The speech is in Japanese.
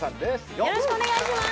よろしくお願いします！